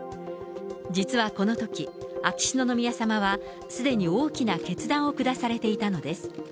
実はこのとき、秋篠宮さまはすでに大きな決断を下されていたのです。